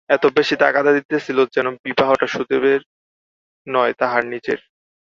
এত বেশি তাগাদা দিতেছিল যেন বিবাহটা সুদেবের নয়, তাহার নিজের।